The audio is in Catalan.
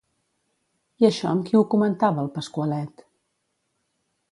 I això amb qui ho comentava el Pasqualet?